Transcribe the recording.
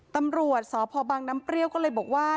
ตำรวจสพบังน้ำเปรี้ยวก็เลยบอกว่า